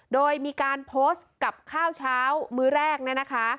โดยมีการกับข้าวเช้ามื้อแรกน่ะนะคะ